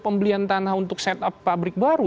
pembelian tanah untuk setup pabrik baru